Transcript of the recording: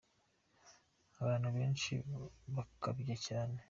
Abantu benshi bakabya cyane.